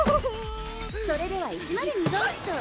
それでは１０２号室を。